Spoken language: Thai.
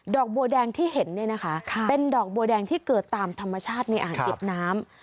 ดอกบัวแดงที่เห็นเป็นดอกบัวแดงที่เกิดตามธรรมชาติในอ่างอิบน้ำ